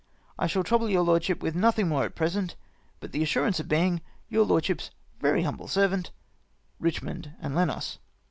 I shall trouble your lord ship with nothing more at present, but the assurance of being, " Your lordship's very humble servant, " Richmond and Lenos.